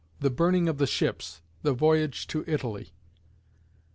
THE BURNING OF THE SHIPS THE VOYAGE TO ITALY.